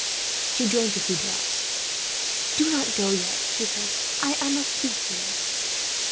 She drank a few drops. "Do not go yet," she said. "I must speak to you."